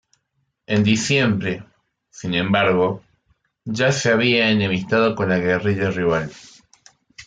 En diciembre, sin embargo, ya se había enemistado con la guerrilla rival.